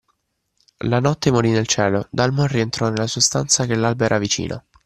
La notte morì nel cielo, Dalmor rientrò nella sua stanza che l’alba era vicina.